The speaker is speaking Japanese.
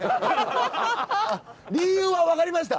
理由は分かりました。